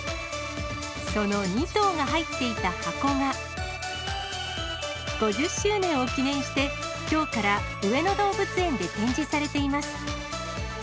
その２頭が入っていた箱が、５０周年を記念して、きょうから上野動物園で展示されています。